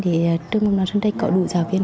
để trường mầm non sơn trạch có đủ giáo viên